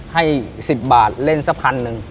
ให้๑๐บาทเล่น๑๐๐๐หนึ่ง